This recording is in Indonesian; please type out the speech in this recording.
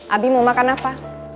abi mau makan apa